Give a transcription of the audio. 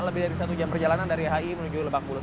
lebih dari satu jam perjalanan dari hi menuju lebak bulus